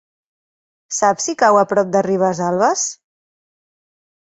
Saps si cau a prop de Ribesalbes?